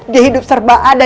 dia hidup serba ada